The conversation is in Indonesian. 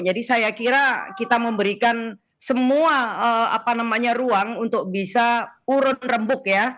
jadi saya kira kita memberikan semua ruang untuk bisa urun rembuk ya